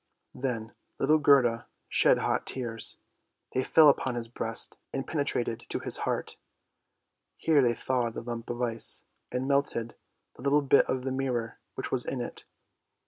Then little Gerda shed hot tears; they fell upon his breast and penetrated to his heart. Here they thawed the lump of ice, and melted the little bit of the mirror which was in it.